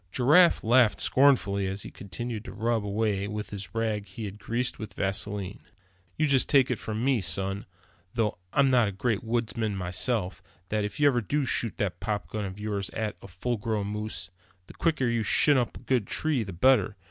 Giraffe laughed scornfully as he continued to rub away with a rag he had greased with vaseline. "You just take it from me, son, though I'm not a great woodsman myself, that if you ever do shoot that popgun of yours at a full grown moose, the quicker you shin up a good tree, the better.